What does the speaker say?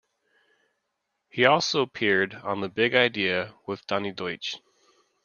He also appeared on "The Big Idea with Donny Deutsch".